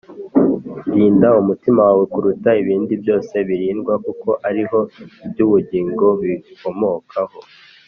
rinda umutima wawe kuruta ibindi byose birindwa, kuko ari ho iby’ubugingo bikomokaho